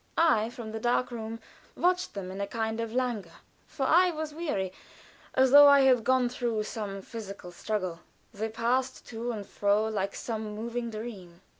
I, from the dark room, watched them in a kind of languor, for I was weary, as though I had gone through some physical struggle. They passed to and fro like some moving dream.